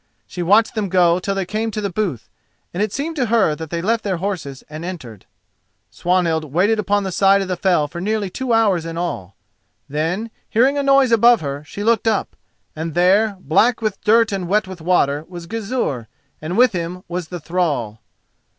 She watched them go till they came to the booth, and it seemed to her that they left their horses and entered. Swanhild waited upon the side of the fell for nearly two hours in all. Then, hearing a noise above her, she looked up, and there, black with dirt and wet with water, was Gizur, and with him was the thrall.